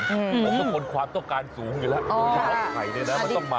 บอกทุกคนความต้องการสูงอยู่แล้ว